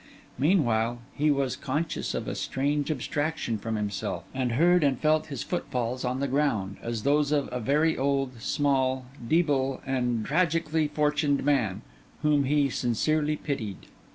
Meanwhile, he was conscious of a strange abstraction from himself; and heard and felt his footfalls on the ground, as those of a very old, small, debile and tragically fortuned man, whom he sincerely pitied.